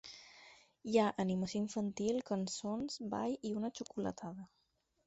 Hi ha animació infantil, cançons, ball i una xocolatada.